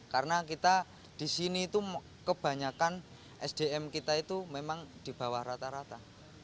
karena kita di sini itu kebanyakan sdm kita itu memang di bawah rata rata